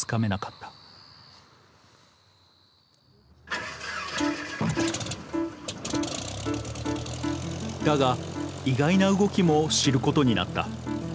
ただが意外な動きも知ることになった。